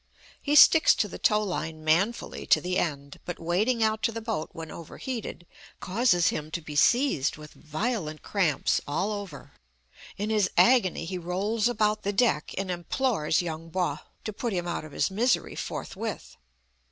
He sticks to the tow line manfully to the end, but wading out to the boat when over heated, causes him to be seized with violent cramps all over; in his agony he rolls about the deck and implores Yung Po to put him out of his misery forthwith.